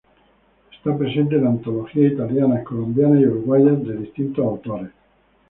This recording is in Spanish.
Está presente en antologías italianas, colombianas y uruguayas de distintos autores.